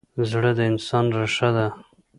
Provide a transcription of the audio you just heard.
زړه د انسان ریښه ده.